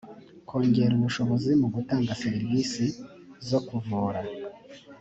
kongerera ubushobozi mu gutanga servisi zo kuvura